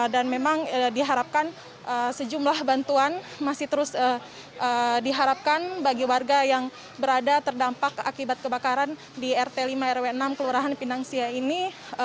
memang diharapkan sejumlah bantuan masih terus diharapkan bagi warga yang berada terdampak akibat kebakaran di rt lima rw enam kelurahan pinang sia ini